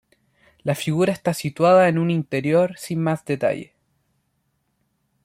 La figura está situada en un interior sin más detalle.